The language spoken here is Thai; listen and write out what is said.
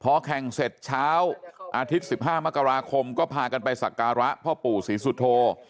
พอแข่งเสร็จเช้าอาทิตย์๑๕มกราคมก็พากันไปสักการะพ่อปู่ศรีสุโธ